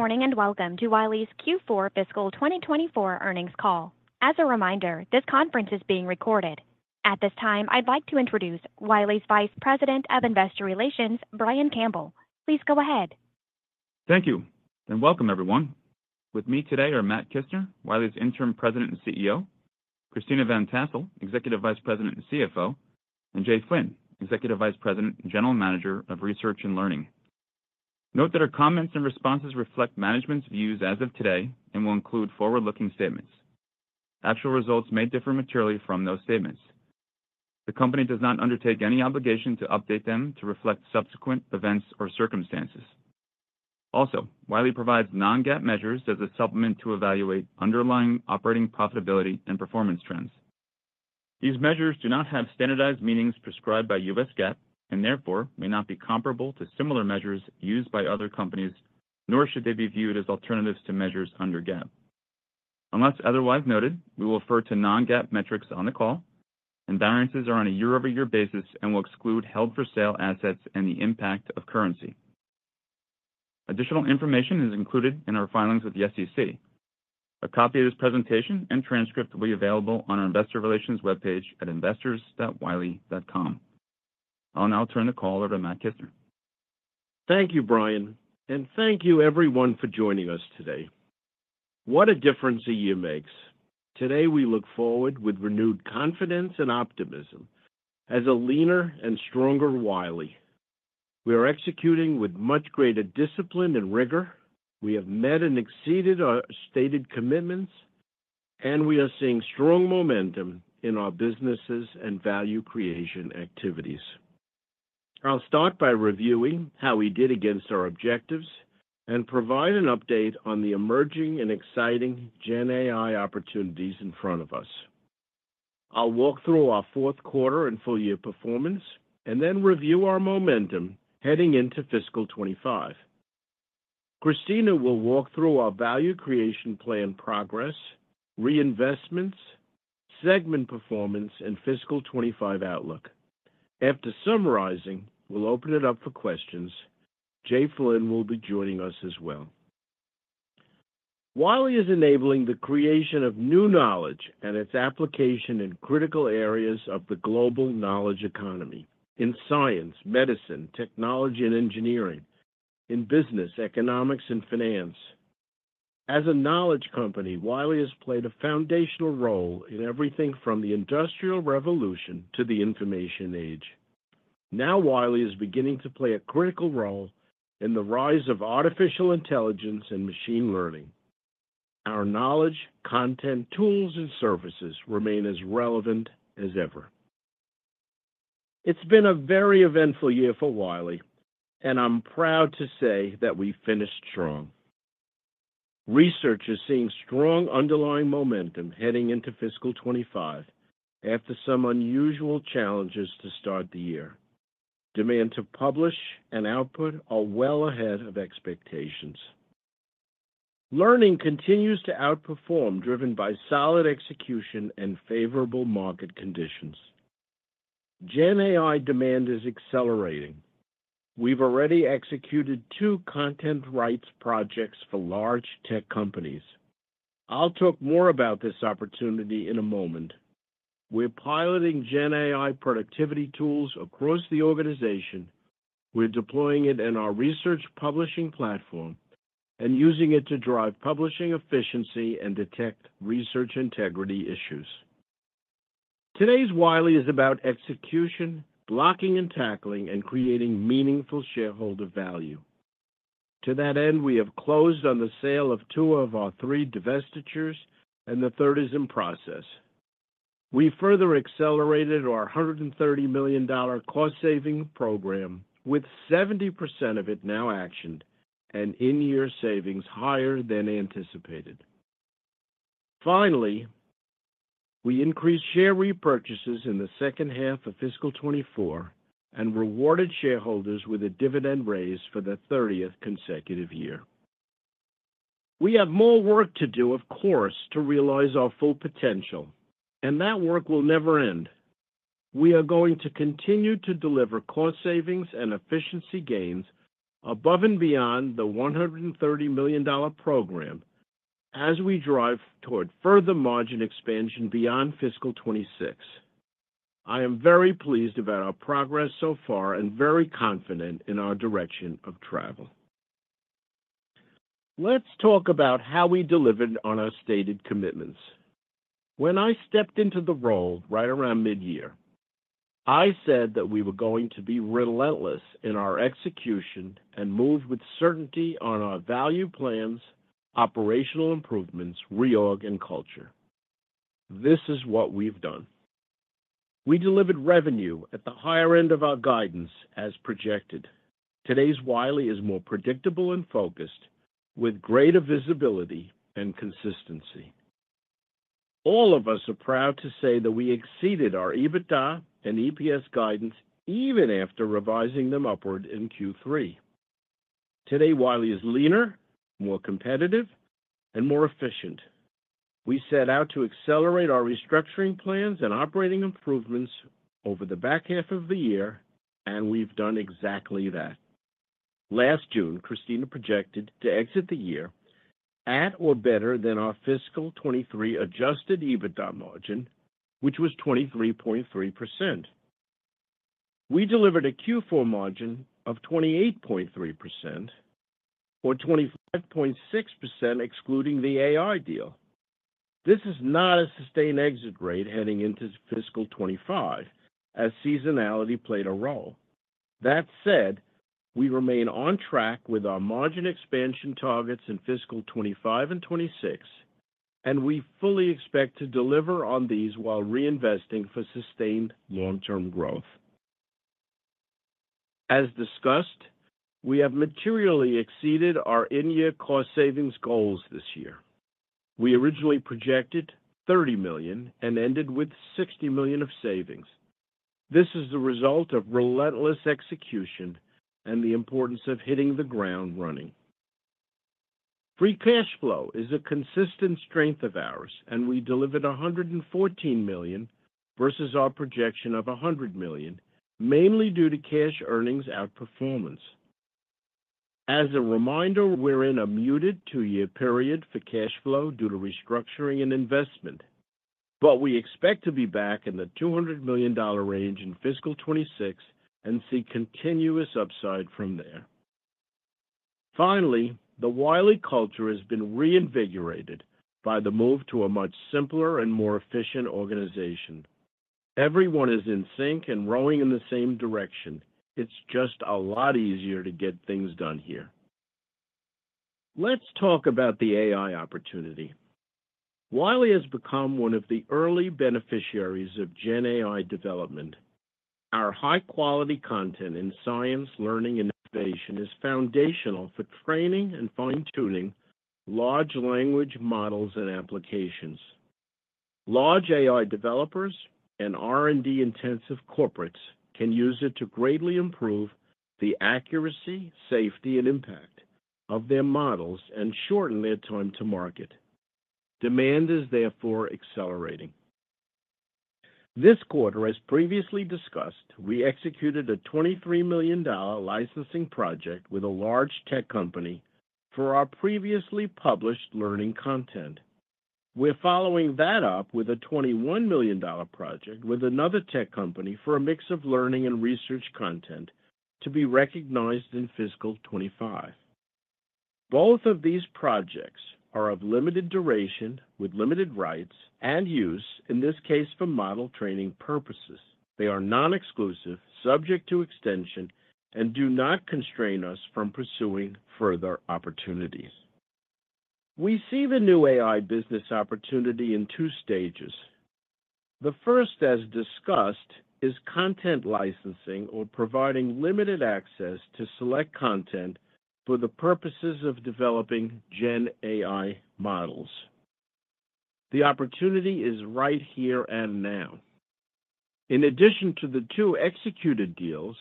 Good morning and welcome to Wiley's Q4 Fiscal 2024 earnings call. As a reminder, this conference is being recorded. At this time, I'd like to introduce Wiley's Vice President of Investor Relations, Brian Campbell. Please go ahead. Thank you and welcome, everyone. With me today are Matt Kissner, Wiley's Interim President and CEO; Christina Van Tassell, Executive Vice President and CFO; and Jay Flynn, Executive Vice President and General Manager of Research and Learning. Note that our comments and responses reflect management's views as of today and will include forward-looking statements. Actual results may differ materially from those statements. The company does not undertake any obligation to update them to reflect subsequent events or circumstances. Also, Wiley provides non-GAAP measures as a supplement to evaluate underlying operating profitability and performance trends. These measures do not have standardized meanings prescribed by U.S. GAAP and therefore may not be comparable to similar measures used by other companies, nor should they be viewed as alternatives to measures under GAAP. Unless otherwise noted, we will refer to non-GAAP metrics on the call. Balances are on a year-over-year basis and will exclude held-for-sale assets and the impact of currency. Additional information is included in our filings with the SEC. A copy of this presentation and transcript will be available on our Investor Relations webpage at investors.wiley.com. I'll now turn the call over to Matt Kissner. Thank you, Brian, and thank you, everyone, for joining us today. What a difference a year makes. Today, we look forward with renewed confidence and optimism as a leaner and stronger Wiley. We are executing with much greater discipline and rigor. We have met and exceeded our stated commitments, and we are seeing strong momentum in our businesses and value creation activities. I'll start by reviewing how we did against our objectives and provide an update on the emerging and exciting Gen AI opportunities in front of us. I'll walk through our fourth quarter and full-year performance and then review our momentum heading into Fiscal 2025. Christina will walk through our value creation plan progress, reinvestments, segment performance, and Fiscal 2025 outlook. After summarizing, we'll open it up for questions. Jay Flynn will be joining us as well. Wiley is enabling the creation of new knowledge and its application in critical areas of the global knowledge economy: in science, medicine, technology, and engineering, in business, economics, and finance. As a knowledge company, Wiley has played a foundational role in everything from the Industrial Revolution to the Information Age. Now, Wiley is beginning to play a critical role in the rise of artificial intelligence and machine learning. Our knowledge, content, tools, and services remain as relevant as ever. It's been a very eventful year for Wiley, and I'm proud to say that we finished strong. Research is seeing strong underlying momentum heading into Fiscal 2025 after some unusual challenges to start the year. Demand to publish and output are well ahead of expectations. Learning continues to outperform, driven by solid execution and favorable market conditions. Gen AI demand is accelerating. We've already executed two content rights projects for large tech companies. I'll talk more about this opportunity in a moment. We're piloting Gen AI productivity tools across the organization. We're deploying it in our research publishing platform and using it to drive publishing efficiency and detect research integrity issues. Today's Wiley is about execution, blocking and tackling, and creating meaningful shareholder value. To that end, we have closed on the sale of two of our three divestitures, and the third is in process. We further accelerated our $130 million cost-saving program, with 70% of it now actioned and in-year savings higher than anticipated. Finally, we increased share repurchases in the second half of Fiscal 2024 and rewarded shareholders with a dividend raise for the 30th consecutive year. We have more work to do, of course, to realize our full potential, and that work will never end. We are going to continue to deliver cost savings and efficiency gains above and beyond the $130 million program as we drive toward further margin expansion beyond Fiscal 2026. I am very pleased about our progress so far and very confident in our direction of travel. Let's talk about how we delivered on our stated commitments. When I stepped into the role right around mid-year, I said that we were going to be relentless in our execution and move with certainty on our value plans, operational improvements, reorg, and culture. This is what we've done. We delivered revenue at the higher end of our guidance as projected. Today's Wiley is more predictable and focused, with greater visibility and consistency. All of us are proud to say that we exceeded our EBITDA and EPS guidance even after revising them upward in Q3. Today, Wiley is leaner, more competitive, and more efficient. We set out to accelerate our restructuring plans and operating improvements over the back half of the year, and we've done exactly that. Last June, Christina projected to exit the year at or better than our Fiscal 2023 Adjusted EBITDA margin, which was 23.3%. We delivered a Q4 margin of 28.3% or 25.6% excluding the AI deal. This is not a sustained exit rate heading into Fiscal 2025, as seasonality played a role. That said, we remain on track with our margin expansion targets in Fiscal 2025 and 2026, and we fully expect to deliver on these while reinvesting for sustained long-term growth. As discussed, we have materially exceeded our in-year cost savings goals this year. We originally projected $30 million and ended with $60 million of savings. This is the result of relentless execution and the importance of hitting the ground running. Free Cash Flow is a consistent strength of ours, and we delivered $114 million versus our projection of $100 million, mainly due to cash earnings outperformance. As a reminder, we're in a muted two-year period for cash flow due to restructuring and investment, but we expect to be back in the $200 million range in Fiscal 2026 and see continuous upside from there. Finally, the Wiley culture has been reinvigorated by the move to a much simpler and more efficient organization. Everyone is in sync and rowing in the same direction. It's just a lot easier to get things done here. Let's talk about the AI opportunity. Wiley has become one of the early beneficiaries of Gen AI development. Our high-quality content in science, learning, and innovation is foundational for training and fine-tuning large language models and applications. Large AI developers and R&D-intensive corporates can use it to greatly improve the accuracy, safety, and impact of their models and shorten their time to market. Demand is therefore accelerating. This quarter, as previously discussed, we executed a $23 million licensing project with a large tech company for our previously published learning content. We're following that up with a $21 million project with another tech company for a mix of learning and research content to be recognized in Fiscal 2025. Both of these projects are of limited duration with limited rights and use, in this case, for model training purposes. They are non-exclusive, subject to extension, and do not constrain us from pursuing further opportunities. We see the new AI business opportunity in two stages. The first, as discussed, is content licensing or providing limited access to select content for the purposes of developing Gen AI models. The opportunity is right here and now. In addition to the 2 executed deals,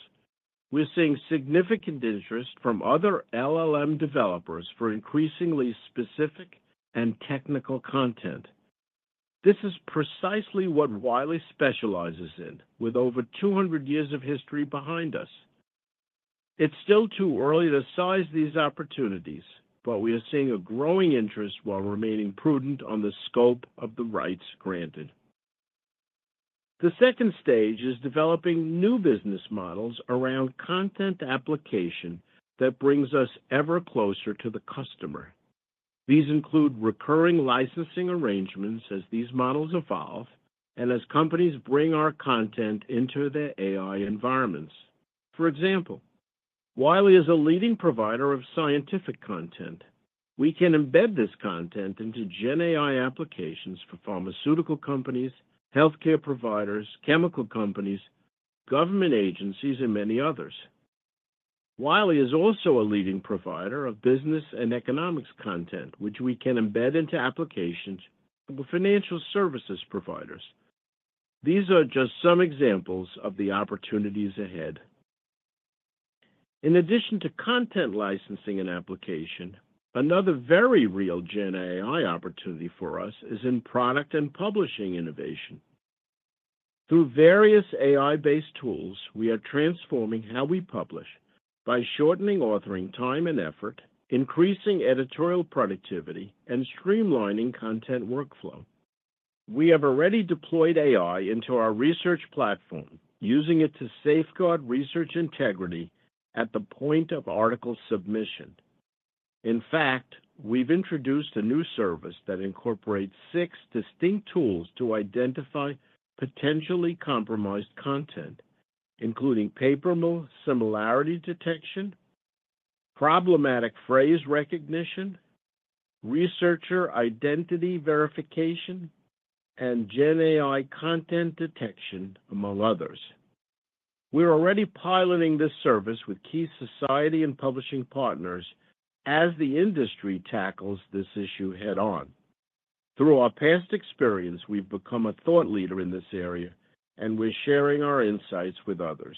we're seeing significant interest from other LLM developers for increasingly specific and technical content. This is precisely what Wiley specializes in, with over 200 years of history behind us. It's still too early to size these opportunities, but we are seeing a growing interest while remaining prudent on the scope of the rights granted. The second stage is developing new business models around content application that brings us ever closer to the customer. These include recurring licensing arrangements as these models evolve and as companies bring our content into their AI environments. For example, Wiley is a leading provider of scientific content. We can embed this content into Gen AI applications for pharmaceutical companies, healthcare providers, chemical companies, government agencies, and many others. Wiley is also a leading provider of business and economics content, which we can embed into applications for financial services providers. These are just some examples of the opportunities ahead. In addition to content licensing and application, another very real Gen AI opportunity for us is in product and publishing innovation. Through various AI-based tools, we are transforming how we publish by shortening authoring time and effort, increasing editorial productivity, and streamlining content workflow. We have already deployed AI into our research platform, using it to safeguard research integrity at the point of article submission. In fact, we've introduced a new service that incorporates six distinct tools to identify potentially compromised content, including paper similarity detection, problematic phrase recognition, researcher identity verification, and Gen AI content detection, among others. We're already piloting this service with key society and publishing partners as the industry tackles this issue head-on. Through our past experience, we've become a thought leader in this area, and we're sharing our insights with others.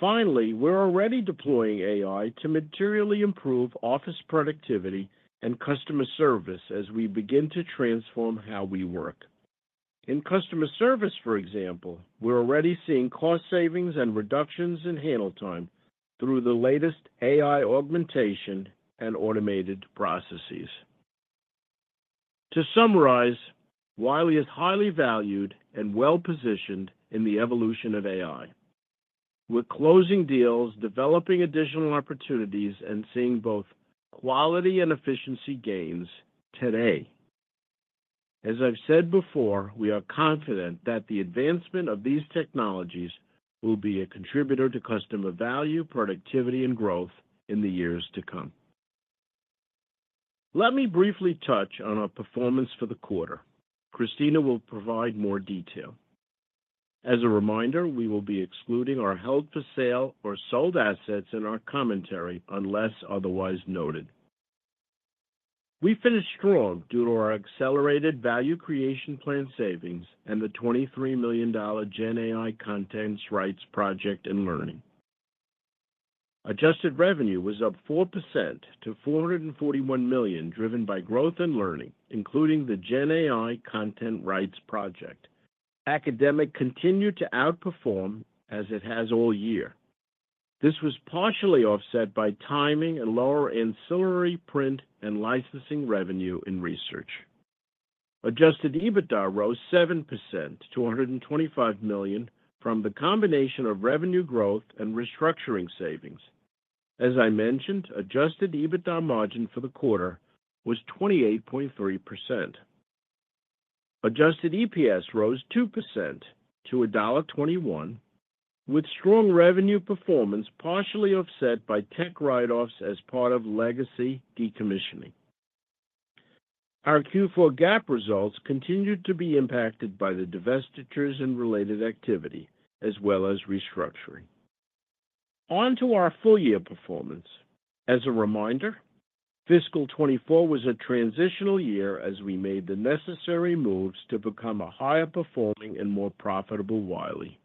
Finally, we're already deploying AI to materially improve office productivity and customer service as we begin to transform how we work. In customer service, for example, we're already seeing cost savings and reductions in handle time through the latest AI augmentation and automated processes. To summarize, Wiley is highly valued and well-positioned in the evolution of AI, with closing deals, developing additional opportunities, and seeing both quality and efficiency gains today. As I've said before, we are confident that the advancement of these technologies will be a contributor to customer value, productivity, and growth in the years to come. Let me briefly touch on our performance for the quarter. Christina will provide more detail. As a reminder, we will be excluding our held-for-sale or sold assets in our commentary unless otherwise noted. We finished strong due to our accelerated value creation plan savings and the $23 million Gen AI content rights project and learning. Adjusted revenue was up 4% to $441 million, driven by growth in Learning, including the Gen AI content rights project. Academic continued to outperform as it has all year. This was partially offset by timing and lower ancillary print and licensing revenue in research. Adjusted EBITDA rose 7% to $125 million from the combination of revenue growth and restructuring savings. As I mentioned, adjusted EBITDA margin for the quarter was 28.3%. Adjusted EPS rose 2% to $1.21, with strong revenue performance partially offset by tech write-offs as part of legacy decommissioning. Our Q4 GAAP results continued to be impacted by the divestitures and related activity, as well as restructuring. On to our full-year performance. As a reminder, Fiscal 2024 was a transitional year as we made the necessary moves to become a higher-performing and more profitable Wiley.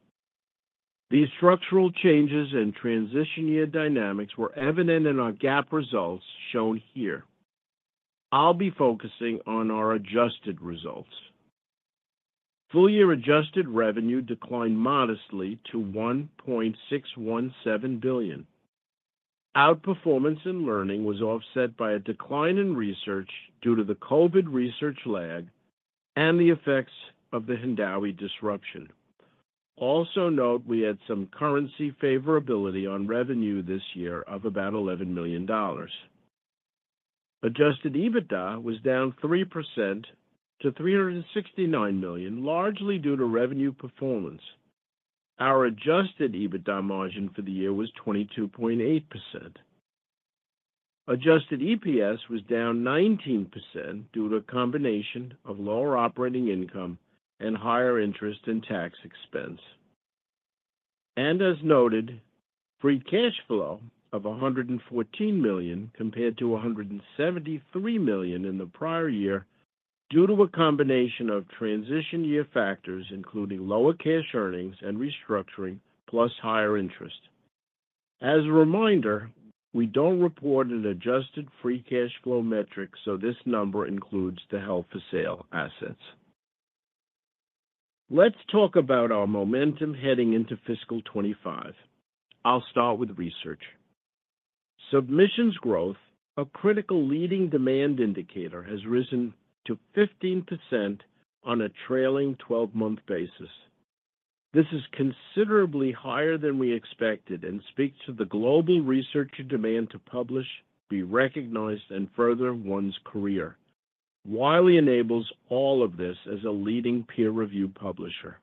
These structural changes and transition year dynamics were evident in our GAAP results shown here. I'll be focusing on our adjusted results. Full-year adjusted revenue declined modestly to $1.617 billion. Outperformance in Learning was offset by a decline in research due to the COVID research lag and the effects of the Hindawi disruption. Also note, we had some currency favorability on revenue this year of about $11 million. Adjusted EBITDA was down 3% to $369 million, largely due to revenue performance. Our adjusted EBITDA margin for the year was 22.8%. Adjusted EPS was down 19% due to a combination of lower operating income and higher interest and tax expense. As noted, free cash flow of $114 million compared to $173 million in the prior year due to a combination of transition year factors, including lower cash earnings and restructuring, plus higher interest. As a reminder, we don't report an adjusted free cash flow metric, so this number includes the held-for-sale assets. Let's talk about our momentum heading into Fiscal 2025. I'll start with research. Submissions growth, a critical leading demand indicator, has risen to 15% on a trailing 12-month basis. This is considerably higher than we expected and speaks to the global research demand to publish, be recognized, and further one's career. Wiley enables all of this as a leading peer-review publisher.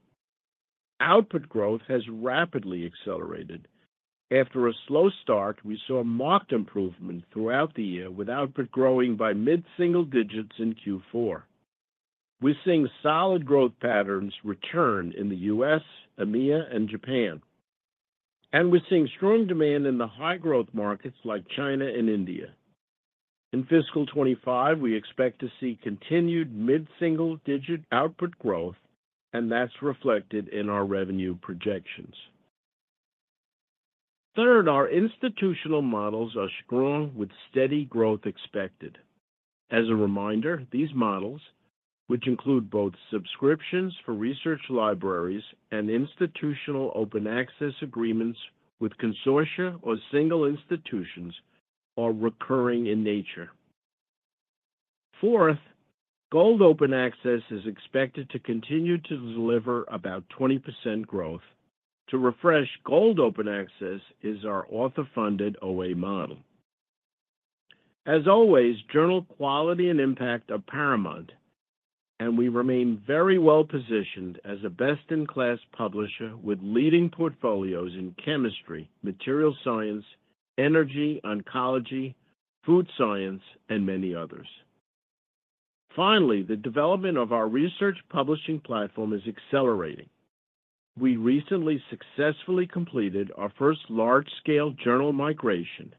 Output growth has rapidly accelerated. After a slow start, we saw marked improvement throughout the year with output growing by mid-single digits in Q4. We're seeing solid growth patterns return in the US, EMEA, and Japan. We're seeing strong demand in the high-growth markets like China and India. In Fiscal 2025, we expect to see continued mid-single-digit output growth, and that's reflected in our revenue projections. Third, our institutional models are strong with steady growth expected. As a reminder, these models, which include both subscriptions for research libraries and institutional open access agreements with consortia or single institutions, are recurring in nature. Fourth, Gold Open Access is expected to continue to deliver about 20% growth. To refresh, Gold Open Access is our author-funded OA model. As always, journal quality and impact are paramount, and we remain very well-positioned as a best-in-class publisher with leading portfolios in chemistry, materials science, energy, oncology, food science, and many others. Finally, the development of our research publishing platform is accelerating. We recently successfully completed our first large-scale journal migration,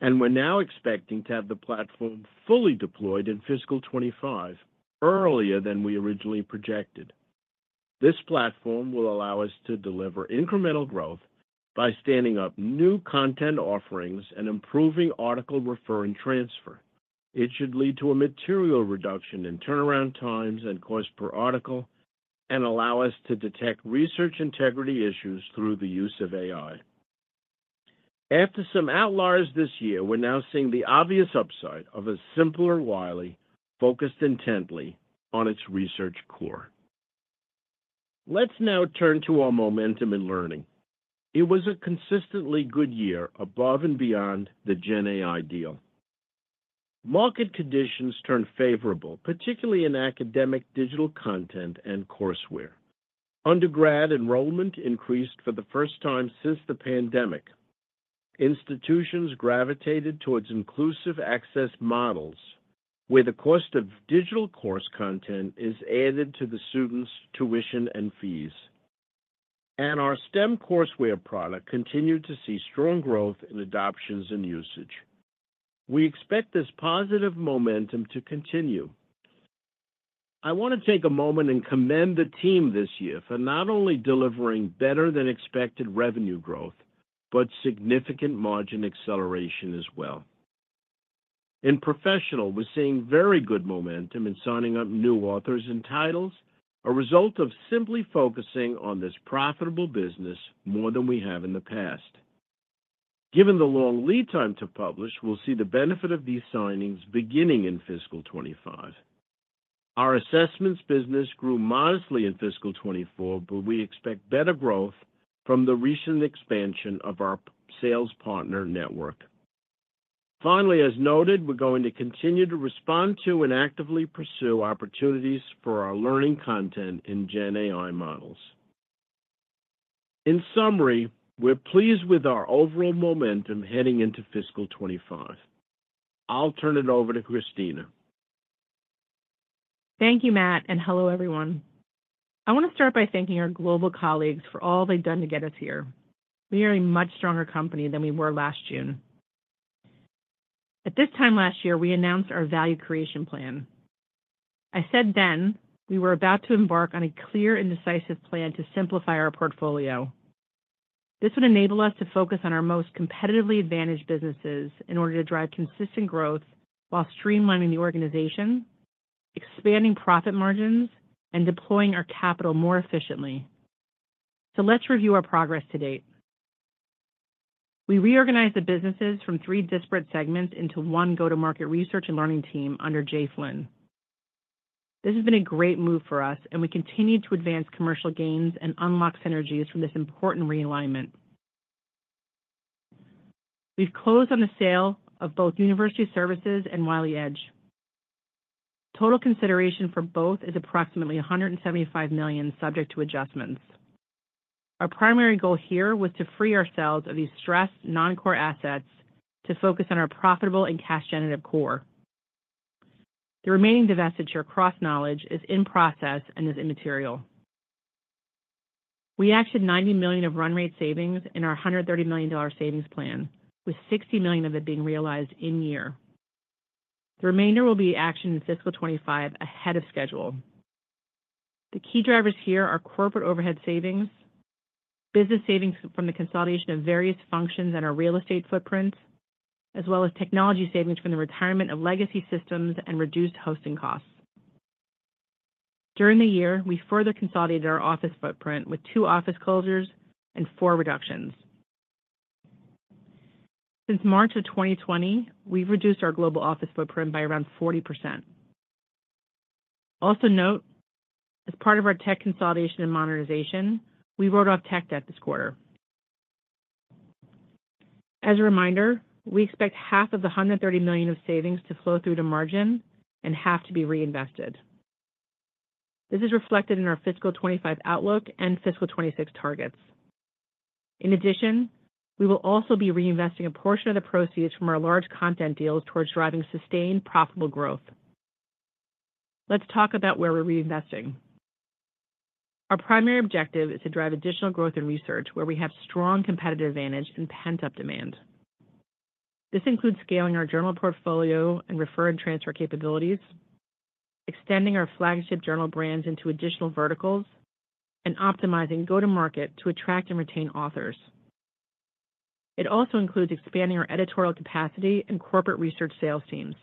and we're now expecting to have the platform fully deployed in Fiscal 2025, earlier than we originally projected. This platform will allow us to deliver incremental growth by standing up new content offerings and improving article refer and transfer. It should lead to a material reduction in turnaround times and cost per article and allow us to detect research integrity issues through the use of AI. After some outliers this year, we're now seeing the obvious upside of a simpler Wiley focused intently on its research core. Let's now turn to our momentum in learning. It was a consistently good year above and beyond the Gen AI deal. Market conditions turned favorable, particularly in academic digital content and courseware. Undergrad enrollment increased for the first time since the pandemic. Institutions gravitated towards Inclusive Access models, where the cost of digital course content is added to the students' tuition and fees. Our STEM courseware product continued to see strong growth in adoptions and usage. We expect this positive momentum to continue. I want to take a moment and commend the team this year for not only delivering better-than-expected revenue growth, but significant margin acceleration as well. In Professional, we're seeing very good momentum in signing up new authors and titles, a result of simply focusing on this profitable business more than we have in the past. Given the long lead time to publish, we'll see the benefit of these signings beginning in Fiscal 2025. Our assessments business grew modestly in Fiscal 2024, but we expect better growth from the recent expansion of our sales partner network. Finally, as noted, we're going to continue to respond to and actively pursue opportunities for our learning content in Gen AI models. In summary, we're pleased with our overall momentum heading into Fiscal 2025. I'll turn it over to Christina. Thank you, Matt, and hello, everyone. I want to start by thanking our global colleagues for all they've done to get us here. We are a much stronger company than we were last June. At this time last year, we announced our value creation plan. I said then we were about to embark on a clear and decisive plan to simplify our portfolio. This would enable us to focus on our most competitively advantaged businesses in order to drive consistent growth while streamlining the organization, expanding profit margins, and deploying our capital more efficiently. Let's review our progress to date. We reorganized the businesses from three disparate segments into one go-to-market Research and Learning team under Jay Flynn. This has been a great move for us, and we continue to advance commercial gains and unlock synergies from this important realignment. We've closed on the sale of both University Services and Wiley Edge. Total consideration for both is approximately $175 million, subject to adjustments. Our primary goal here was to free ourselves of these stressed non-core assets to focus on our profitable and cash-generative core. The remaining divestiture CrossKnowledge is in process and is immaterial. We actioned $90 million of run rate savings in our $130 million savings plan, with $60 million of it being realized in year. The remainder will be actioned in Fiscal 2025 ahead of schedule. The key drivers here are corporate overhead savings, business savings from the consolidation of various functions and our real estate footprint, as well as technology savings from the retirement of legacy systems and reduced hosting costs. During the year, we further consolidated our office footprint with 2 office closures and 4 reductions. Since March 2020, we've reduced our global office footprint by around 40%. Also note, as part of our tech consolidation and modernization, we wrote off tech debt this quarter. As a reminder, we expect half of the $130 million of savings to flow through to margin and half to be reinvested. This is reflected in our Fiscal 2025 outlook and Fiscal 2026 targets. In addition, we will also be reinvesting a portion of the proceeds from our large content deals towards driving sustained profitable growth. Let's talk about where we're reinvesting. Our primary objective is to drive additional growth in research where we have strong competitive advantage and pent-up demand. This includes scaling our journal portfolio and refer and transfer capabilities, extending our flagship journal brands into additional verticals, and optimizing go-to-market to attract and retain authors. It also includes expanding our editorial capacity and corporate research sales teams.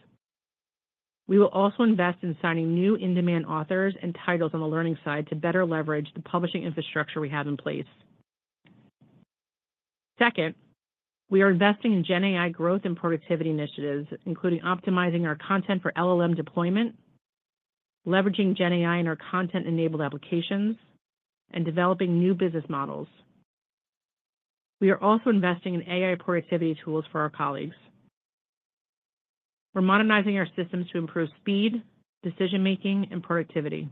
We will also invest in signing new in-demand authors and titles on the learning side to better leverage the publishing infrastructure we have in place. Second, we are investing in Gen AI growth and productivity initiatives, including optimizing our content for LLM deployment, leveraging Gen AI in our content-enabled applications, and developing new business models. We are also investing in AI productivity tools for our colleagues. We're modernizing our systems to improve speed, decision-making, and productivity.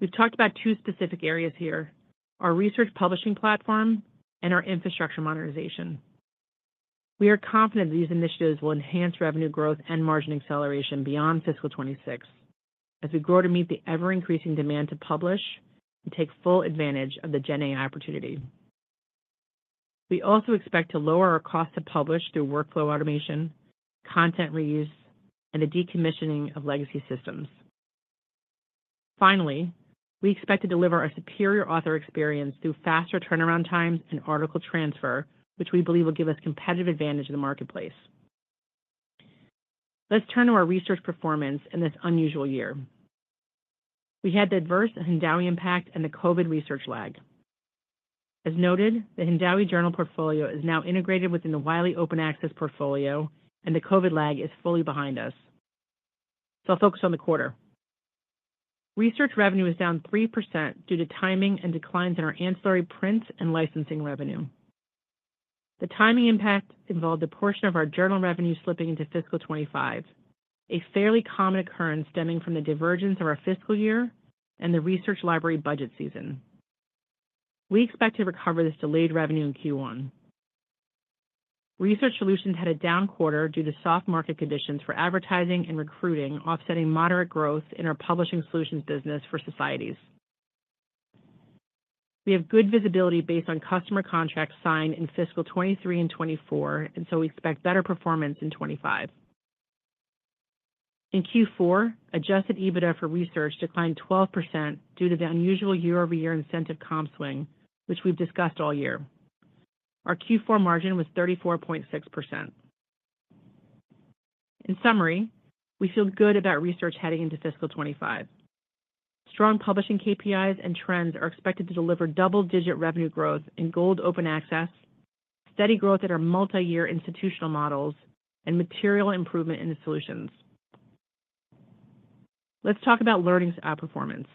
We've talked about two specific areas here: our research publishing platform and our infrastructure modernization. We are confident that these initiatives will enhance revenue growth and margin acceleration beyond Fiscal 2026 as we grow to meet the ever-increasing demand to publish and take full advantage of the Gen AI opportunity. We also expect to lower our cost to publish through workflow automation, content reuse, and the decommissioning of legacy systems. Finally, we expect to deliver a superior author experience through faster turnaround times and article transfer, which we believe will give us competitive advantage in the marketplace. Let's turn to our research performance in this unusual year. We had the adverse Hindawi impact and the COVID research lag. As noted, the Hindawi journal portfolio is now integrated within the Wiley Open Access portfolio, and the COVID lag is fully behind us. I'll focus on the quarter. Research revenue is down 3% due to timing and declines in our ancillary prints and licensing revenue. The timing impact involved a portion of our journal revenue slipping into Fiscal 2025, a fairly common occurrence stemming from the divergence of our fiscal year and the research library budget season. We expect to recover this delayed revenue in Q1. Research Solutions had a down quarter due to soft market conditions for advertising and recruiting, offsetting moderate growth in our publishing solutions business for societies. We have good visibility based on customer contracts signed in Fiscal 2023 and 2024, and so we expect better performance in 2025. In Q4, Adjusted EBITDA for research declined 12% due to the unusual year-over-year incentive comp swing, which we've discussed all year. Our Q4 margin was 34.6%. In summary, we feel good about research heading into Fiscal 2025. Strong publishing KPIs and trends are expected to deliver double-digit revenue growth in Gold Open Access, steady growth in our multi-year institutional models, and material improvement in the solutions. Let's talk about learning outperformance.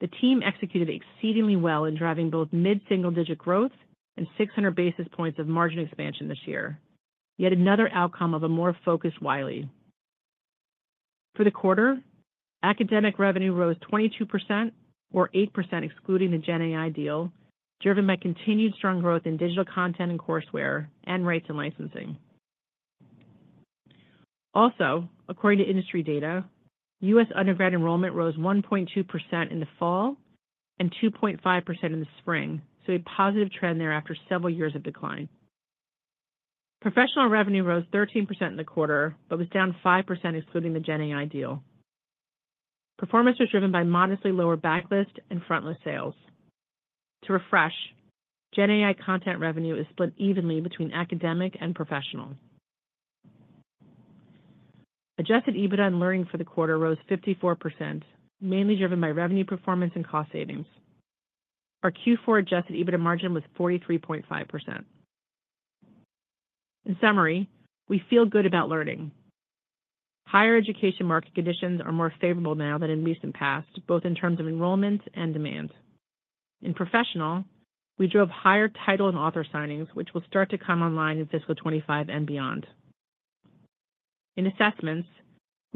The team executed exceedingly well in driving both mid-single-digit growth and 600 basis points of margin expansion this year, yet another outcome of a more focused Wiley. For the quarter, Academic revenue rose 22%, or 8% excluding the Gen AI deal, driven by continued strong growth in digital content and courseware and rights and licensing. Also, according to industry data, U.S. undergrad enrollment rose 1.2% in the fall and 2.5% in the spring, so a positive trend there after several years of decline. Professional revenue rose 13% in the quarter but was down 5% excluding the Gen AI deal. Performance was driven by modestly lower backlist and frontlist sales. To refresh, Gen AI content revenue is split evenly between academic and professional. Adjusted EBITDA in Learning for the quarter rose 54%, mainly driven by revenue performance and cost savings. Our Q4 adjusted EBITDA margin was 43.5%. In summary, we feel good about learning. Higher education market conditions are more favorable now than in recent past, both in terms of enrollment and demand. In Professional, we drove higher title and author signings, which will start to come online in Fiscal 2025 and beyond. In assessments,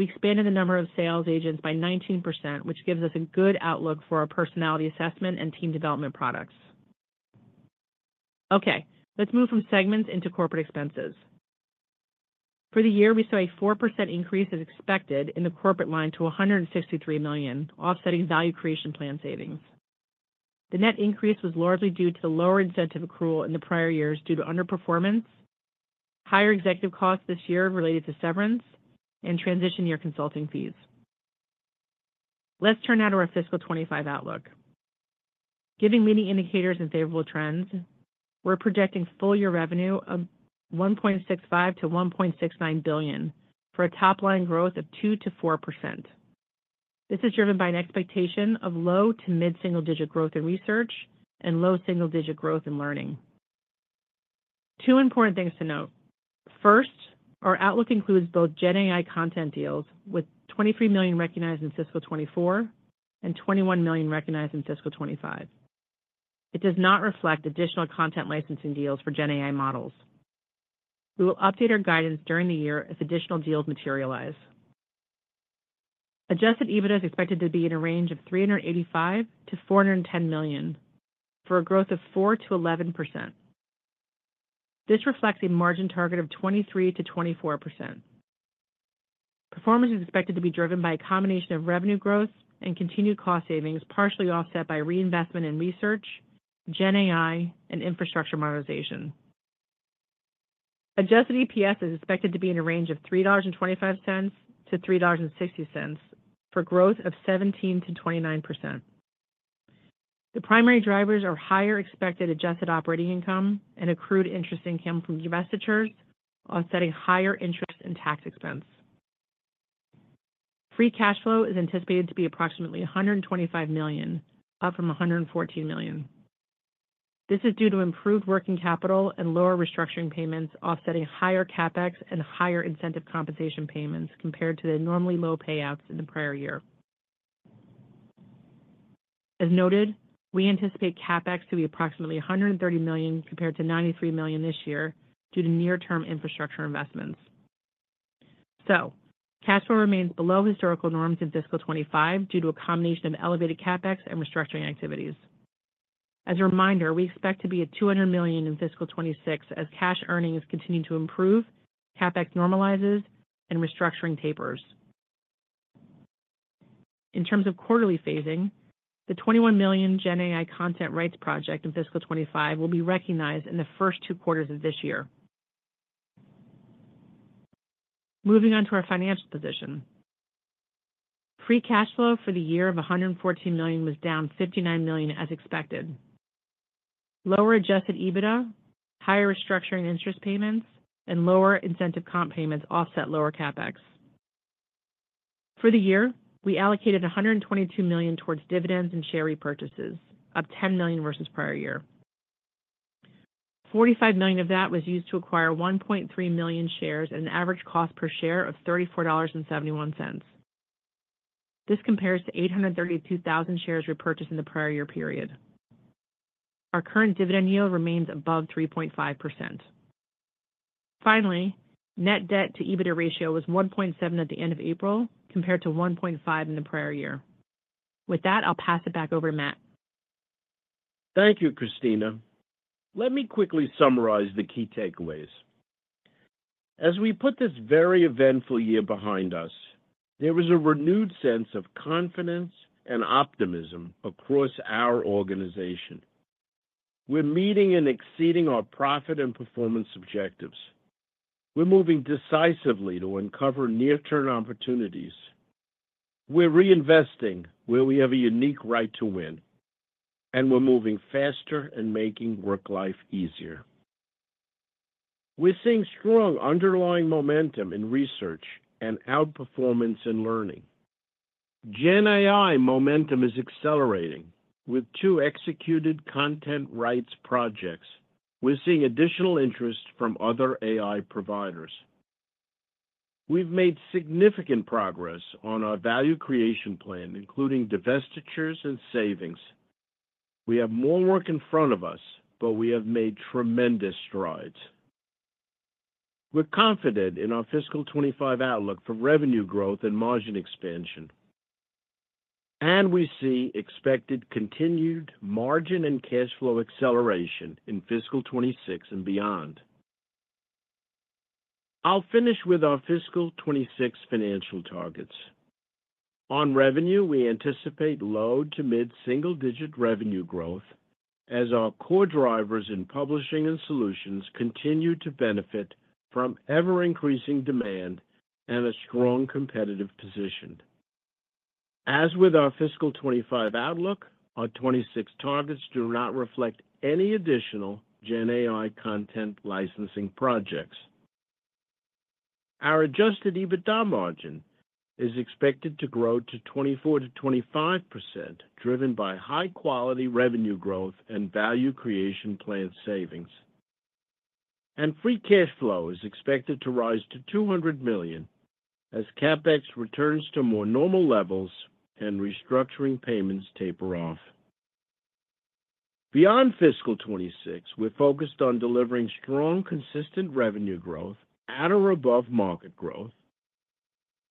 we expanded the number of sales agents by 19%, which gives us a good outlook for our personality assessment and team development products. Okay, let's move from segments into corporate expenses. For the year, we saw a 4% increase as expected in the corporate line to $163 million, offsetting value creation plan savings. The net increase was largely due to the lower incentive accrual in the prior years due to underperformance, higher executive costs this year related to severance, and transition year consulting fees. Let's turn now to our Fiscal 2025 outlook. Given many indicators and favorable trends, we're projecting full year revenue of $1.65-$1.69 billion for a top-line growth of 2%-4%. This is driven by an expectation of low to mid-single-digit growth in research and low single-digit growth in learning. Two important things to note. First, our outlook includes both Gen AI content deals with $23 million recognized in Fiscal 2024 and $21 million recognized in Fiscal 2025. It does not reflect additional content licensing deals for Gen AI models. We will update our guidance during the year if additional deals materialize. Adjusted EBITDA is expected to be in a range of $385-$410 million for a growth of 4%-11%. This reflects a margin target of 23%-24%. Performance is expected to be driven by a combination of revenue growth and continued cost savings partially offset by reinvestment in research, Gen AI, and infrastructure modernization. Adjusted EPS is expected to be in a range of $3.25-$3.60 for a growth of 17%-29%. The primary drivers are higher expected adjusted operating income and accrued interest income from divestitures, offsetting higher interest and tax expense. Free cash flow is anticipated to be approximately $125 million, up from $114 million. This is due to improved working capital and lower restructuring payments, offsetting higher CapEx and higher incentive compensation payments compared to the normally low payouts in the prior year. As noted, we anticipate CapEx to be approximately $130 million compared to $93 million this year due to near-term infrastructure investments. So cash flow remains below historical norms in Fiscal 25 due to a combination of elevated CapEx and restructuring activities. As a reminder, we expect to be at $200 million in Fiscal 26 as cash earnings continue to improve, CapEx normalizes, and restructuring tapers. In terms of quarterly phasing, the $21 million Gen AI content rights project in Fiscal 25 will be recognized in the first two quarters of this year. Moving on to our financial position. Free Cash Flow for the year of $114 million was down $59 million as expected. Lower Adjusted EBITDA, higher restructuring interest payments, and lower incentive comp payments offset lower CapEx. For the year, we allocated $122 million towards dividends and share repurchases, up $10 million versus prior year. $45 million of that was used to acquire 1.3 million shares at an average cost per share of $34.71. This compares to 832,000 shares repurchased in the prior year period. Our current dividend yield remains above 3.5%. Finally, net debt to EBITDA ratio was 1.7 at the end of April compared to 1.5 in the prior year. With that, I'll pass it back over to Matt. Thank you, Christina. Let me quickly summarize the key takeaways. As we put this very eventful year behind us, there was a renewed sense of confidence and optimism across our organization. We're meeting and exceeding our profit and performance objectives. We're moving decisively to uncover near-term opportunities. We're reinvesting where we have a unique right to win, and we're moving faster and making work life easier. We're seeing strong underlying momentum in research and outperformance in learning. Gen AI momentum is accelerating. With 2 executed content rights projects, we're seeing additional interest from other AI providers. We've made significant progress on our value creation plan, including divestitures and savings. We have more work in front of us, but we have made tremendous strides. We're confident in our Fiscal 2025 outlook for revenue growth and margin expansion, and we see expected continued margin and cash flow acceleration in Fiscal 2026 and beyond. I'll finish with our Fiscal 2026 financial targets. On revenue, we anticipate low to mid-single-digit revenue growth as our core drivers in publishing and solutions continue to benefit from ever-increasing demand and a strong competitive position. As with our Fiscal 2025 outlook, our 2026 targets do not reflect any additional Gen AI content licensing projects. Our Adjusted EBITDA margin is expected to grow to 24%-25%, driven by high-quality revenue growth and value creation plan savings. Free cash flow is expected to rise to $200 million as CapEx returns to more normal levels and restructuring payments taper off. Beyond Fiscal 2026, we're focused on delivering strong, consistent revenue growth at or above market growth,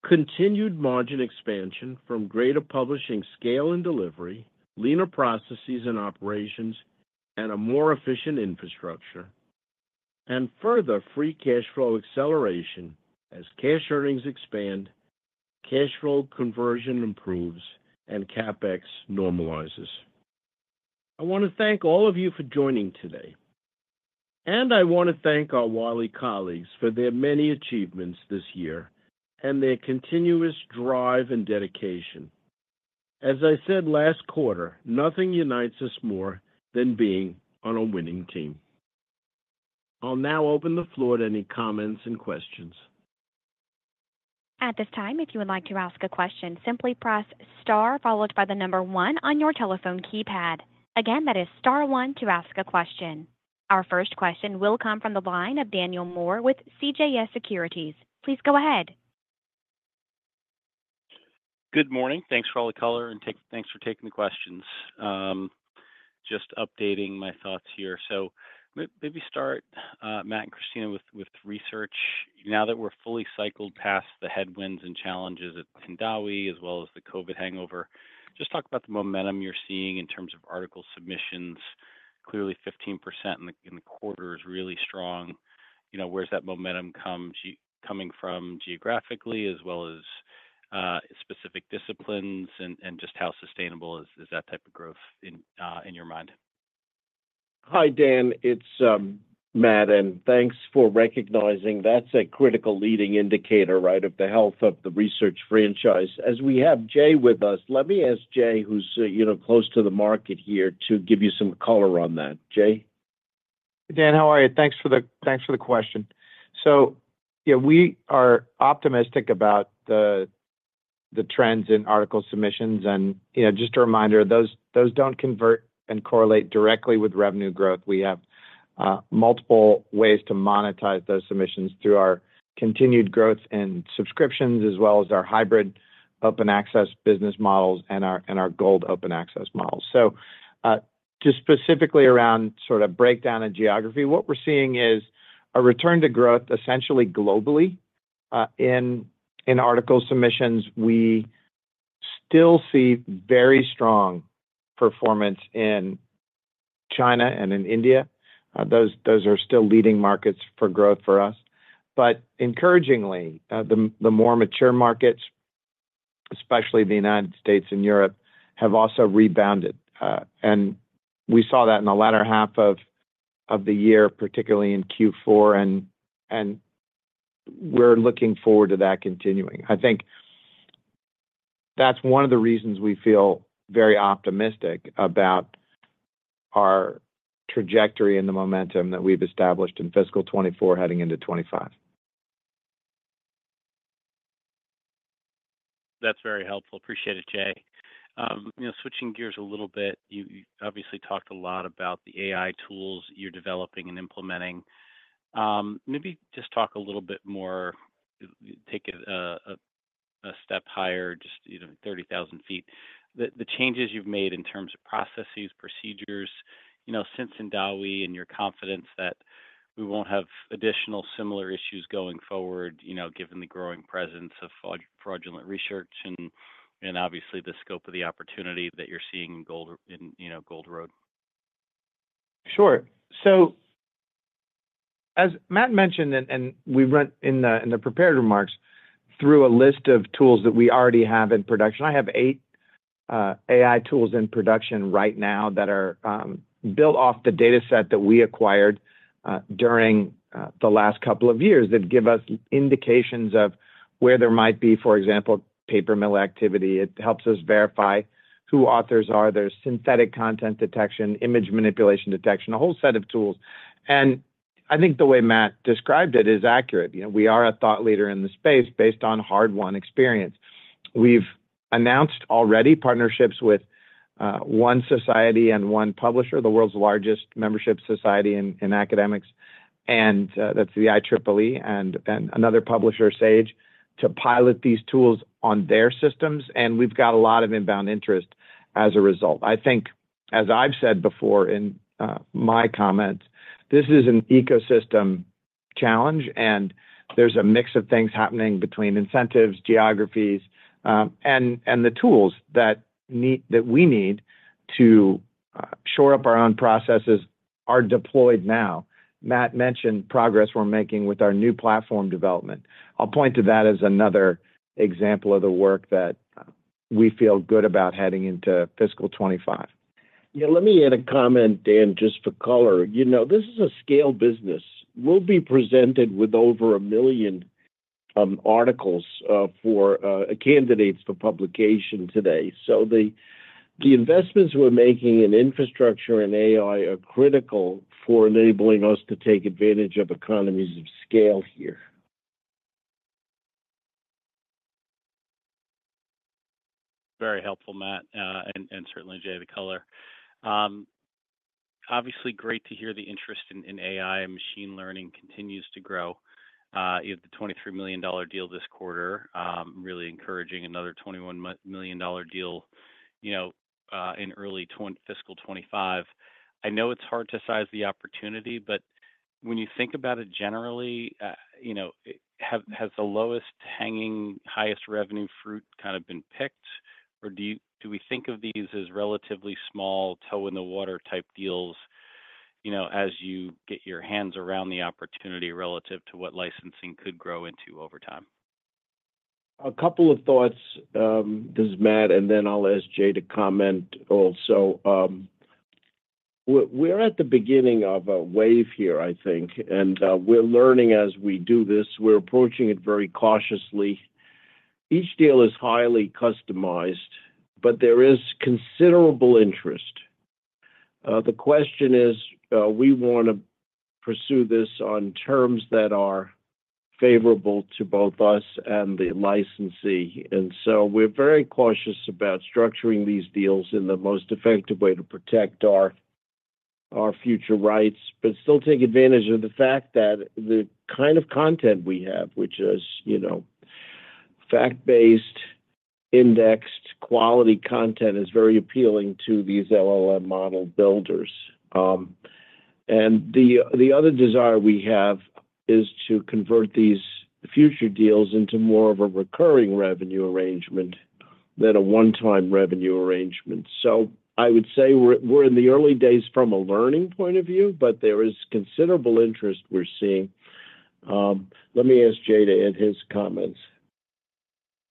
continued margin expansion from greater publishing scale and delivery, leaner processes and operations, and a more efficient infrastructure, and further free cash flow acceleration as cash earnings expand, cash flow conversion improves, and CapEx normalizes. I want to thank all of you for joining today, and I want to thank our Wiley colleagues for their many achievements this year and their continuous drive and dedication. As I said last quarter, nothing unites us more than being on a winning team. I'll now open the floor to any comments and questions. At this time, if you would like to ask a question, simply press star followed by the number one on your telephone keypad. Again, that is star one to ask a question. Our first question will come from the line of Daniel Moore with CJS Securities. Please go ahead. Good morning. Thanks for all the color and thanks for taking the questions. Just updating my thoughts here. So maybe start, Matt and Christina, with research. Now that we're fully cycled past the headwinds and challenges at Hindawi as well as the COVID hangover, just talk about the momentum you're seeing in terms of article submissions. Clearly, 15% in the quarter is really strong. Where's that momentum coming from geographically as well as specific disciplines and just how sustainable is that type of growth in your mind? Hi, Dan. It's Matt, and thanks for recognizing that's a critical leading indicator, right, of the health of the research franchise. As we have Jay with us, let me ask Jay, who's close to the market here, to give you some color on that. Jay? Dan, how are you? Thanks for the question. We are optimistic about the trends in article submissions. And just a reminder, those don't convert and correlate directly with revenue growth. We have multiple ways to monetize those submissions through our continued growth in subscriptions as well as our hybrid open access business models and our Gold Open Access models. Just specifically around sort of breakdown and geography, what we're seeing is a return to growth essentially globally in article submissions. We still see very strong performance in China and in India. Those are still leading markets for growth for us. But encouragingly, the more mature markets, especially the United States and Europe, have also rebounded. And we saw that in the latter half of the year, particularly in Q4, and we're looking forward to that continuing. I think that's one of the reasons we feel very optimistic about our trajectory and the momentum that we've established in Fiscal 2024 heading into 2025. That's very helpful. Appreciate it, Jay. Switching gears a little bit, you obviously talked a lot about the AI tools you're developing and implementing. Maybe just talk a little bit more, take it a step higher, just 30,000 feet. The changes you've made in terms of processes, procedures since Hindawi and your confidence that we won't have additional similar issues going forward given the growing presence of fraudulent research and obviously the scope of the opportunity that you're seeing in Gold Open Access. Sure. So as Matt mentioned, and we went in the prepared remarks through a list of tools that we already have in production. I have eight AI tools in production right now that are built off the dataset that we acquired during the last couple of years that give us indications of where there might be, for example, paper mill activity. It helps us verify who authors are. There's synthetic content detection, image manipulation detection, a whole set of tools. And I think the way Matt described it is accurate. We are a thought leader in the space based on hard-won experience. We've announced already partnerships with one society and one publisher, the world's largest membership society in academics, and that's the IEEE and another publisher, Sage, to pilot these tools on their systems. And we've got a lot of inbound interest as a result. I think, as I've said before in my comments, this is an ecosystem challenge, and there's a mix of things happening between incentives, geographies, and the tools that we need to shore up our own processes are deployed now. Matt mentioned progress we're making with our new platform development. I'll point to that as another example of the work that we feel good about heading into Fiscal 2025. Yeah, let me add a comment, Dan, just for color. This is a scale business. We'll be presented with over a million articles for candidates for publication today. So the investments we're making in infrastructure and AI are critical for enabling us to take advantage of economies of scale here. Very helpful, Matt, and certainly, Jay, the color. Obviously, great to hear the interest in AI and machine learning continues to grow. You have the $23 million deal this quarter, really encouraging another $21 million deal in early Fiscal 2025. I know it's hard to size the opportunity, but when you think about it generally, has the lowest hanging, highest revenue fruit kind of been picked, or do we think of these as relatively small toe-in-the-water type deals as you get your hands around the opportunity relative to what licensing could grow into over time? A couple of thoughts. This is Matt, and then I'll ask Jay to comment also. We're at the beginning of a wave here, I think, and we're learning as we do this. We're approaching it very cautiously. Each deal is highly customized, but there is considerable interest. The question is, we want to pursue this on terms that are favorable to both us and the licensee. We're very cautious about structuring these deals in the most effective way to protect our future rights, but still take advantage of the fact that the kind of content we have, which is fact-based, indexed, quality content, is very appealing to these LLM model builders. The other desire we have is to convert these future deals into more of a recurring revenue arrangement than a one-time revenue arrangement. I would say we're in the early days from a learning point of view, but there is considerable interest we're seeing. Let me ask Jay to add his comments.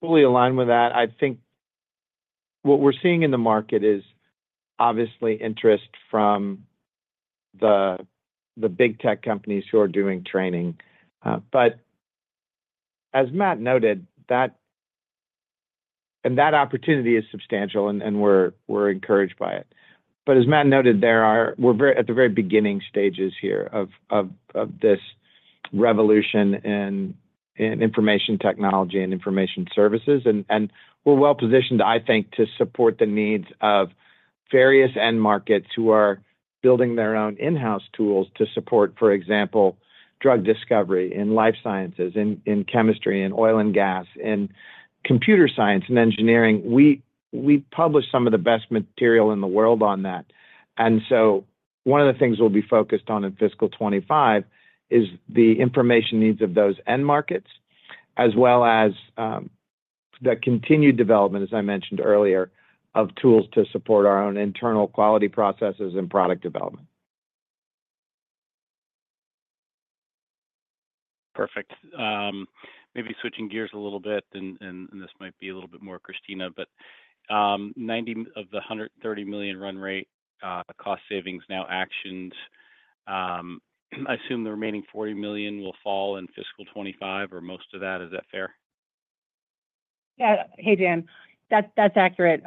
Fully aligned with that. I think what we're seeing in the market is obviously interest from the big tech companies who are doing training. But as Matt noted, that opportunity is substantial, and we're encouraged by it. But as Matt noted, we're at the very beginning stages here of this revolution in information technology and information services. And we're well positioned, I think, to support the needs of various end markets who are building their own in-house tools to support, for example, drug discovery in life sciences, in chemistry, in oil and gas, in computer science and engineering. We publish some of the best material in the world on that. And so one of the things we'll be focused on in Fiscal 2025 is the information needs of those end markets, as well as the continued development, as I mentioned earlier, of tools to support our own internal quality processes and product development. Perfect. Maybe switching gears a little bit, and this might be a little bit more Christina, but 90 of the $130 million run rate cost savings now actioned. I assume the remaining $40 million will fall in Fiscal 2025 or most of that. Is that fair? Yeah. Hey, Dan. That's accurate.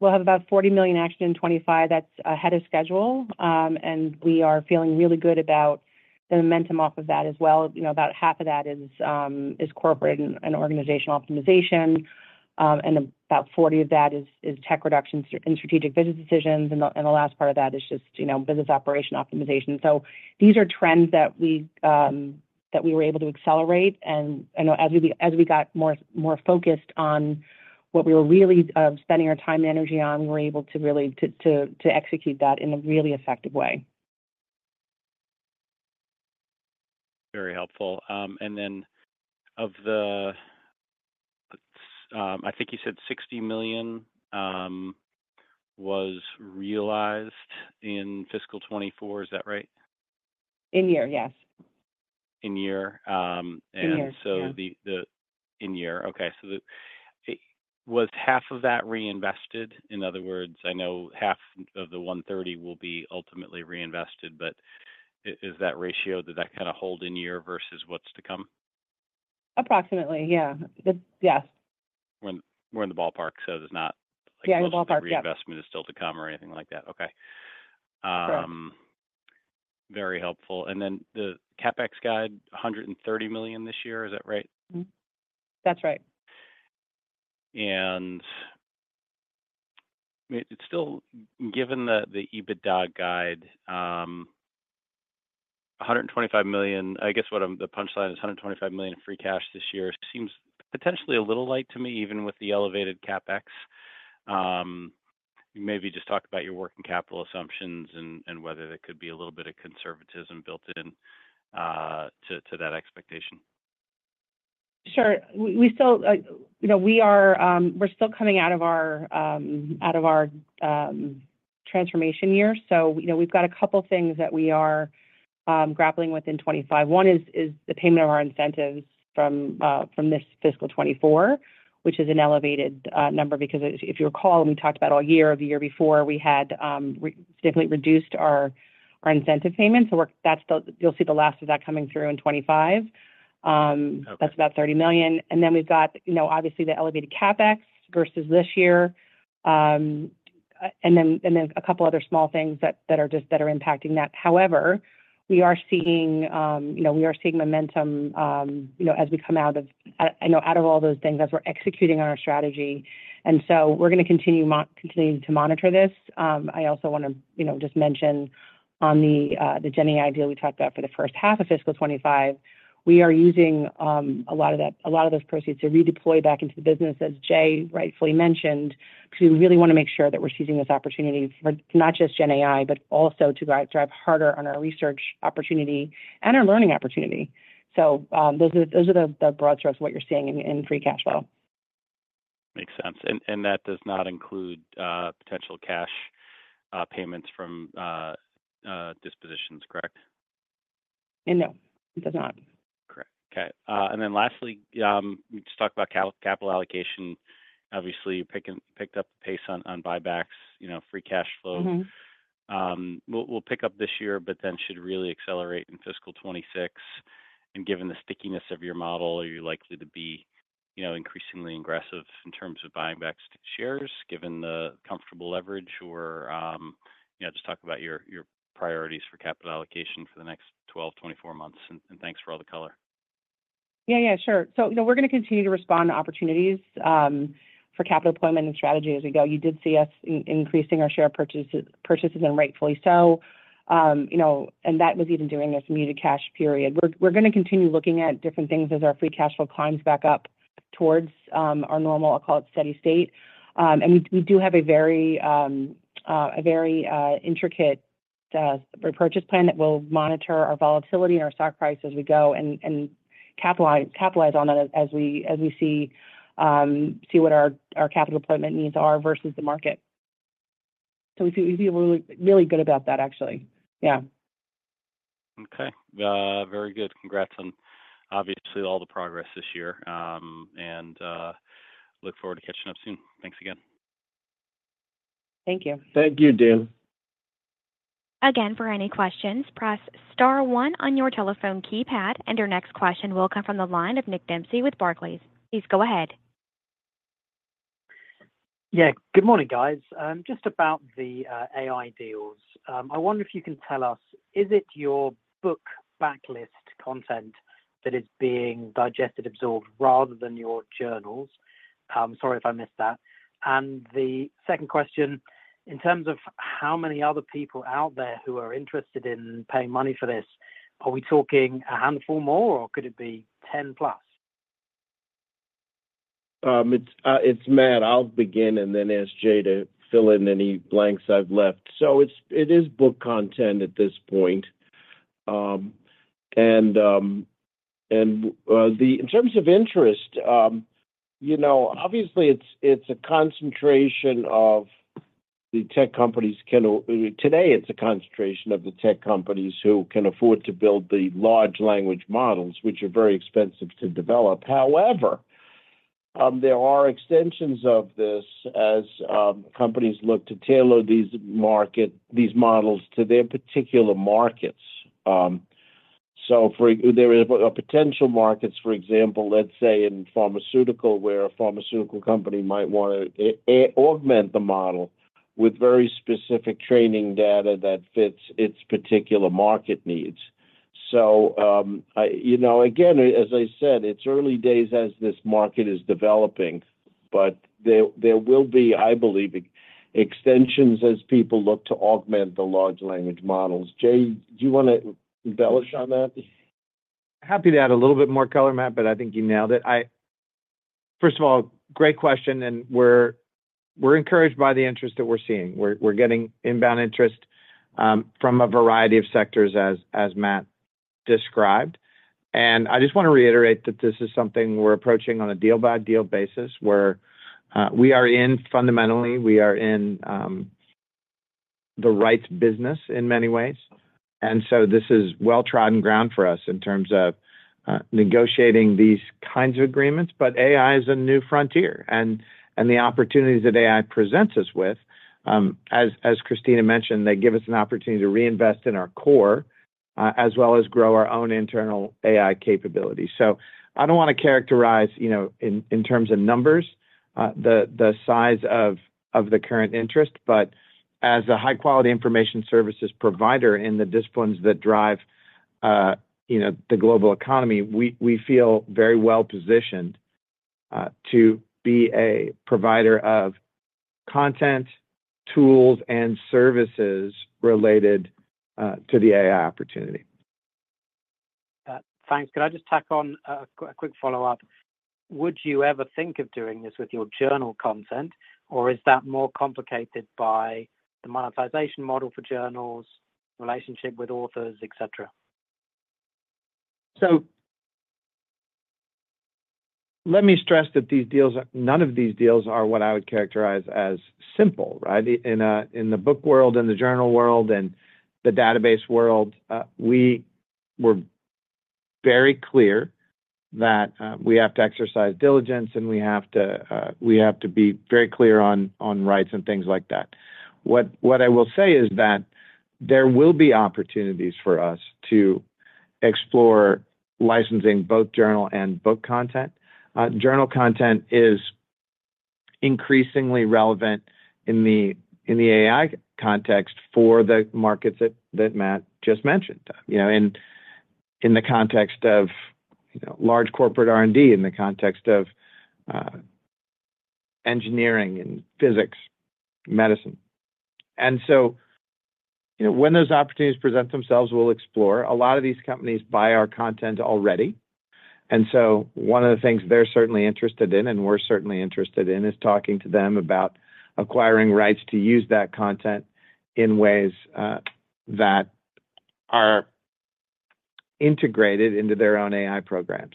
We'll have about $40 million action in 2025. That's ahead of schedule. And we are feeling really good about the momentum off of that as well. About half of that is corporate and organizational optimization, and about 40 of that is tech reductions and strategic business decisions. And the last part of that is just business operation optimization. So these are trends that we were able to accelerate. And as we got more focused on what we were really spending our time and energy on, we were able to really execute that in a really effective way. Very helpful. And then of the, I think you said $60 million was realized in Fiscal 2024. Is that right? In year, yes. In year. And so the in year. Okay. So was half of that reinvested? In other words, I know half of the $130 million will be ultimately reinvested, but is that ratio that that kind of hold in year versus what's to come? Approximately. Yeah. Yes. We're in the ballpark, so it's not like reinvestment is still to come or anything like that. Okay. Correct. Very helpful. And then the CapEx guide, $130 million this year. Is that right? That's right. And given the EBITDA guide, $125 million, I guess what the punchline is, $125 million in free cash this year seems potentially a little light to me, even with the elevated CapEx. You maybe just talked about your working capital assumptions and whether there could be a little bit of conservatism built in to that expectation. Sure. We're still coming out of our transformation year. So we've got a couple of things that we are grappling with in 2025. One is the payment of our incentives from this Fiscal 2024, which is an elevated number because if you recall, we talked about all year of the year before, we had significantly reduced our incentive payments. So you'll see the last of that coming through in 2025. That's about $30 million. And then we've got, obviously, the elevated CapEx versus this year, and then a couple of other small things that are impacting that. However, we are seeing momentum as we come out of, I know, out of all those things as we're executing on our strategy. And so we're going to continue to monitor this. I also want to just mention on the GenAI deal we talked about for the first half of Fiscal 2025, we are using a lot of those proceeds to redeploy back into the business, as Jay rightfully mentioned, because we really want to make sure that we're seizing this opportunity for not just GenAI, but also to drive harder on our research opportunity and our learning opportunity. So those are the broad strokes of what you're seeing in Free Cash Flow. Makes sense. And that does not include potential cash payments from dispositions, correct? No. It does not. Correct. Okay. And then lastly, we just talked about capital allocation. Obviously, you picked up the pace on buybacks, Free Cash Flows. We'll pick up this year, but then should really accelerate in Fiscal 2026. Given the stickiness of your model, are you likely to be increasingly aggressive in terms of buying back shares given the comfortable leverage or just talk about your priorities for capital allocation for the next 12, 24 months? Thanks for all the color. Yeah, yeah. Sure. We're going to continue to respond to opportunities for capital deployment and strategy as we go. You did see us increasing our share purchases and rightfully so. That was even during this muted cash period. We're going to continue looking at different things as our Free Cash Flow climbs back up towards our normal, I'll call it steady state. We do have a very intricate repurchase plan that will monitor our volatility and our stock price as we go and capitalize on that as we see what our capital deployment needs are versus the market. So we feel really good about that, actually. Yeah. Okay. Very good. Congrats on, obviously, all the progress this year. And look forward to catching up soon. Thanks again. Thank you. Thank you, Dan. Again, for any questions, press star one on your telephone keypad, and our next question will come from the line of Nick Dempsey with Barclays. Please go ahead. Yeah. Good morning, guys. Just about the AI deals. I wonder if you can tell us, is it your book backlist content that is being digested, absorbed rather than your journals? Sorry if I missed that. And the second question, in terms of how many other people out there who are interested in paying money for this, are we talking a handful more, or could it be 10+? It's Matt. I'll begin, and then ask Jay to fill in any blanks I've left. So it is book content at this point. In terms of interest, obviously, it's a concentration of the tech companies today. It's a concentration of the tech companies who can afford to build the large language models, which are very expensive to develop. However, there are extensions of this as companies look to tailor these models to their particular markets. There are potential markets, for example, let's say in pharmaceutical, where a pharmaceutical company might want to augment the model with very specific training data that fits its particular market needs. So again, as I said, it's early days as this market is developing, but there will be, I believe, extensions as people look to augment the large language models. Jay, do you want to embellish on that? Happy to add a little bit more color, Matt, but I think you nailed it. First of all, great question. We're encouraged by the interest that we're seeing. We're getting inbound interest from a variety of sectors, as Matt described. I just want to reiterate that this is something we're approaching on a deal-by-deal basis where we are in fundamentally, we are in the rights business in many ways. So this is well-trodden ground for us in terms of negotiating these kinds of agreements. But AI is a new frontier, and the opportunities that AI presents us with, as Christina mentioned, they give us an opportunity to reinvest in our core as well as grow our own internal AI capability. So I don't want to characterize in terms of numbers the size of the current interest, but as a high-quality information services provider in the disciplines that drive the global economy, we feel very well positioned to be a provider of content, tools, and services related to the AI opportunity. Thanks. Could I just tack on a quick follow-up? Would you ever think of doing this with your journal content, or is that more complicated by the monetization model for journals, relationship with authors, etc.? So let me stress that none of these deals are what I would characterize as simple, right? In the book world, in the journal world, and the database world, we were very clear that we have to exercise diligence, and we have to be very clear on rights and things like that. What I will say is that there will be opportunities for us to explore licensing both journal and book content. Journal content is increasingly relevant in the AI context for the markets that Matt just mentioned in the context of large corporate R&D, in the context of engineering and physics, medicine. And so when those opportunities present themselves, we'll explore. A lot of these companies buy our content already. And so one of the things they're certainly interested in, and we're certainly interested in, is talking to them about acquiring rights to use that content in ways that are integrated into their own AI programs.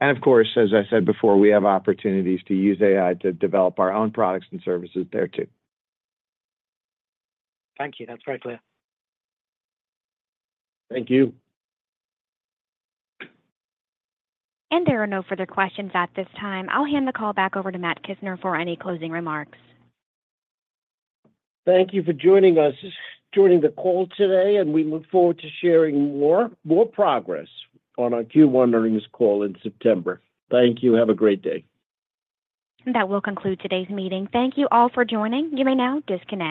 And of course, as I said before, we have opportunities to use AI to develop our own products and services there too. Thank you. That's very clear. Thank you. And there are no further questions at this time. I'll hand the call back over to Matt Kissner for any closing remarks. Thank you for joining us, joining the call today, and we look forward to sharing more progress on our Q1 earnings call in September. Thank you. Have a great day. That will conclude today's meeting. Thank you all for joining. You may now disconnect.